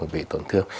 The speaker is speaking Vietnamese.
vì tổn thương